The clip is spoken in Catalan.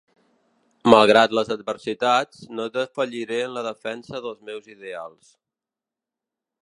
Malgrat les adversitats, no defalliré en la defensa dels meus ideals.